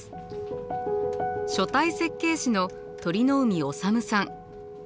書体設計士の鳥海修さん。